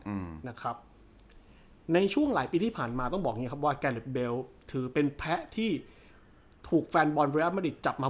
อืมนะครับในช่วงหลายปีที่ผ่านมาต้องบอกอย่างงี้ครับว่าแกเล็ดเบลถือเป็นแพ้ที่ถูกแฟนบอลเรียลมาริดจับมา